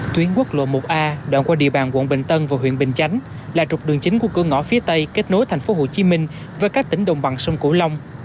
tuyến quốc lộ một a đoạn qua địa bàn quận bình tân và huyện bình chánh là trục đường chính của cửa ngõ phía tây kết nối tp hcm với các tỉnh đồng bằng sông cửu long